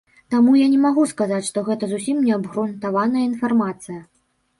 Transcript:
Таму я не магу сказаць, што гэта зусім неабгрунтаваная інфармацыя.